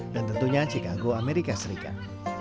dan tentunya chicago amerika serikat